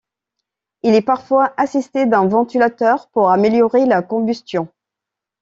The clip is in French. Il est parfois assisté d'un ventilateur pour améliorer la combustion.